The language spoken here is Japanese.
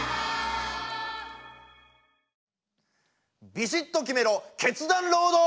「ビシッと決めろ決断ロード！」。